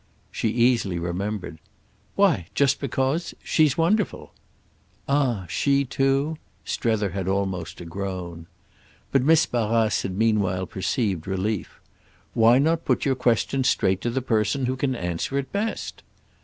She easily remembered. "Why just because—! She's wonderful." "Ah she too?"—Strether had almost a groan. But Miss Barrace had meanwhile perceived relief. "Why not put your question straight to the person who can answer it best?"